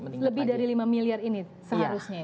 meningkat lagi lebih dari lima miliar ini seharusnya